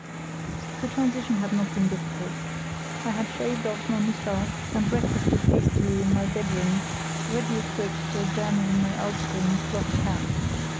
The transition had not been difficult. I had shaved off my moustache and breakfasted hastily in my bedroom, ready equipped for a journey in my ulster and cloth cap.